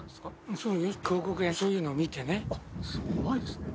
そうよ、広告や、そういうのすごいですね。